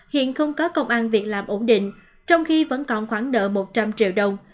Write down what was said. hiện không có công an việc làm ổn định trong khi vẫn còn khoảng đợi một trăm linh triệu đồng